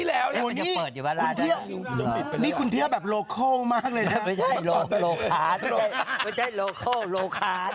สุดยอดอ่ะนี่คุณเที่ยวแบบโลโคลมากเลยนะไม่ใช่โลคาร์ดไม่ใช่โลโคลโลคาร์ด